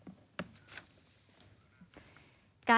การรักษาอาการป่วยของปอที่โรงพยาบาลรามาธิบดี